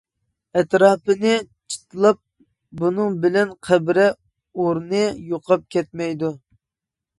ئەتراپىنى چىتلاپ بۇنىڭ بىلەن قەبرە ئورنى يوقاپ كەتمەيدۇ.